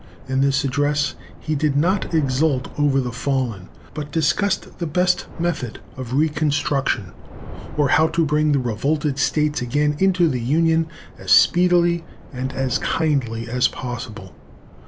In this address he did not exult over the fallen, but discussed the best method of reconstruction, or how to bring the revolted states again into the Union as speedily and as kindly as possible.